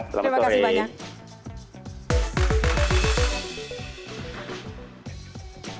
terima kasih banyak